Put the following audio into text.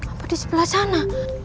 apa di sebelah sana